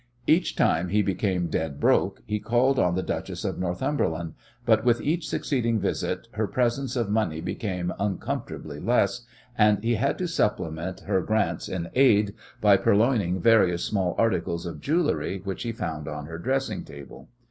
Each time he became "dead broke" he called on the Duchess of Northumberland, but with each succeeding visit her presents of money became uncomfortably less, and he had to supplement her grants in aid by purloining various small articles of jewellery which he found on her dressing table.